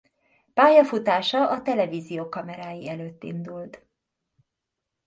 Pályafutása a televízió kamerái előtt indult.